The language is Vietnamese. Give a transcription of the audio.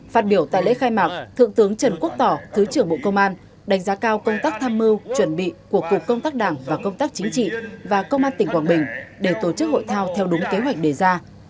phát biểu tại lễ khai mạc thượng tướng trần quốc tỏ thứ trưởng bộ công an đánh giá cao công tác tham mưu chuẩn bị của cục công tác đảng và công tác chính trị và công an tỉnh quảng bình để tổ chức hội thao theo đúng kế hoạch đề ra